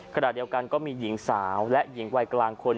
ขณะเดียวกันก็มีหญิงสาวและหญิงวัยกลางคน